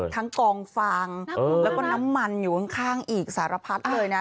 กองฟางแล้วก็น้ำมันอยู่ข้างอีกสารพัดเลยนะ